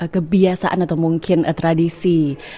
kebiasaan atau mungkin tradisi